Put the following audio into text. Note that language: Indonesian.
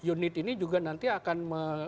unit ini juga nanti akan